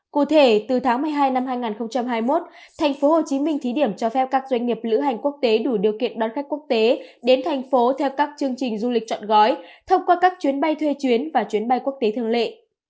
cụ thể từ tháng một mươi hai năm hai nghìn hai mươi một tp hcm thí điểm cho phép các doanh nghiệp lữ hành quốc tế đủ điều kiện đón khách quốc tế đến thành phố theo các chương trình du lịch chọn gói thông qua các chuyến bay thuê chuyến và chuyến bay quốc tế thường lệ